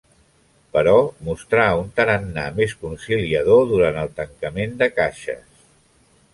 Però mostrà un tarannà més conciliador durant el Tancament de Caixes.